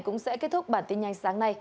cũng sẽ kết thúc bản tin nhanh sáng nay